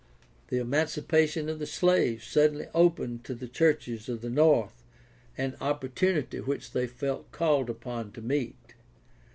The emancipation of the slaves suddenly opened to the churches of the North an opportunity which they felt called upon to meet.